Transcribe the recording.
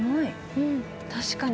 うん確かに。